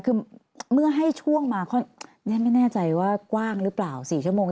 คือเมื่อให้ช่วงมาเรียนไม่แน่ใจว่ากว้างหรือเปล่า๔ชั่วโมง